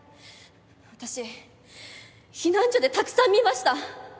私避難所でたくさん見ました。